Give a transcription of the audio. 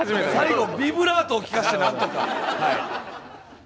最後ビブラートを利かせてなんとかはい。